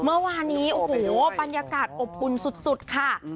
เมื่อวานี้โอ้โหปัญญากาศอบบุญสุดค่ะ